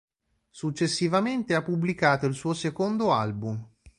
Successivamente ha pubblicato il suo secondo album.